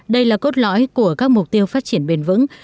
đây là cốt lõi của các mục tiêu phát triển bền vững